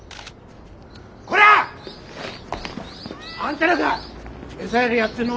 こら！あんたらか餌やりやってんのは！？